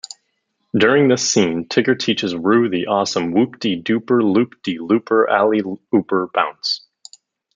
During this scene, Tigger teaches Roo the awesome Whoop-de-Dooper-Loop-de-Looper-Alley-Ooper Bounce.